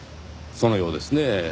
そのようですねぇ。